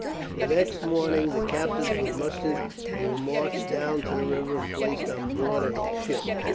The next morning the captives were mustered, and were marched down to the river and placed on board a ship.